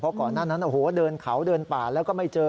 เพราะก่อนหน้านั้นเดินเขาเดินป่าแล้วก็ไม่เจอ